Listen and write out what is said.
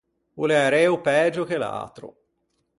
O l’é areo pægio che l’atro.